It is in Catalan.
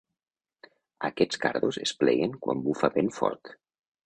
Aquests cardos es pleguen quan bufa vent fort.